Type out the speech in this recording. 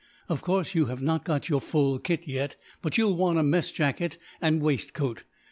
Of course, you have not got your full kit yet; but you will want a mess jacket and waistcoat.